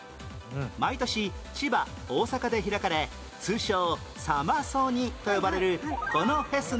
毎年千葉大阪で開かれ通称サマソニと呼ばれるこのフェスの名前は？